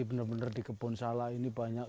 bener bener di kebun salah ini banyak